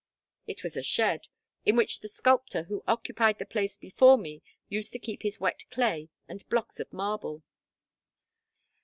"It was a shed, in which the sculptor who occupied the place before me used to keep his wet clay and blocks of marble."